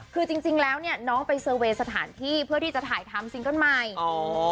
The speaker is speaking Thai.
คือจริงแล้วน้องไปเซอเวย์สถานที่เพื่อที่จะถ่ายทำซิงเกิ้ลไมค์